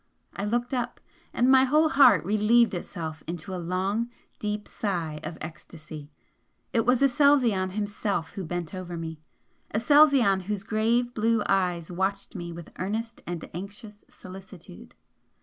I looked up and my whole heart relieved itself in a long deep sigh of ecstasy! it was Aselzion himself who bent over me, Aselzion whose grave blue eyes watched me with earnest and anxious solicitude.